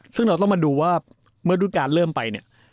ซึ่งเราต้องมาดูว่าเมื่อรุ่นการเริ่มไปเนี่ย